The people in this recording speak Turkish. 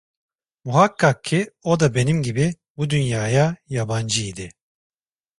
Muhakkak ki, o da benim gibi bu dünyaya yabancı idi.